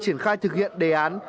triển khai thực hiện đề án